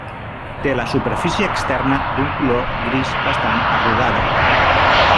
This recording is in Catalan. Té la superfície externa d'un color gris bastant arrugada.